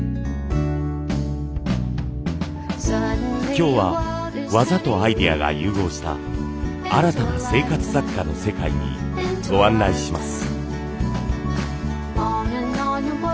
今日は技とアイデアが融合した新たな生活雑貨の世界にご案内します。